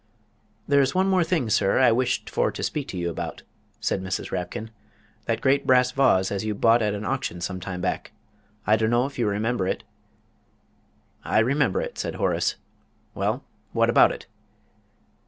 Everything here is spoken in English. "There's one more thing, sir, I wished for to speak to you about," said Mrs. Rapkin; "that great brass vawse as you bought at an oction some time back. I dunno if you remember it?" "I remember it," said Horace. "Well, what about it?"